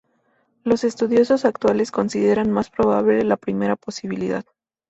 Los estudiosos actuales consideran más probable la primera posibilidad.